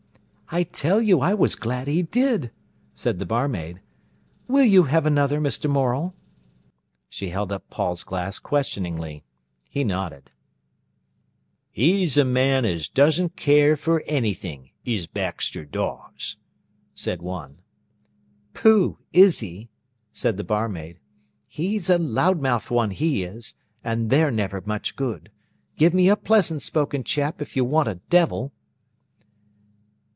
"I tell you I was glad he did," said the barmaid. "Will you have another, Mr. Morel?" She held up Paul's glass questioningly. He nodded. "He's a man as doesn't care for anything, is Baxter Dawes," said one. "Pooh! is he?" said the barmaid. "He's a loud mouthed one, he is, and they're never much good. Give me a pleasant spoken chap, if you want a devil!"